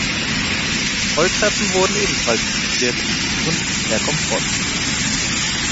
Rolltreppen wurden ebenfalls installiert, um den Kunden mehr Komfort zu bieten.